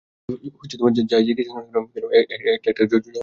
যা-ই জিজ্ঞেস করি না কেন একটা না একটা জবাব রেডি রাখবেই।